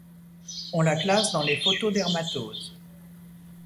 On la classe dans les photodermatoses.